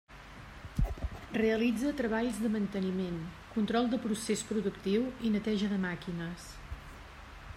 Realitza treballs de manteniment, control de procés productiu i neteja de màquines.